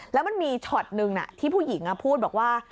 แล้วมันมีช็อตนึงที่ผู้หญิงพูดบอกว่า